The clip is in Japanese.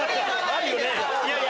あるよね？